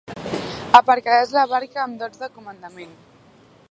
Aparcaràs la barca amb dots de comandament.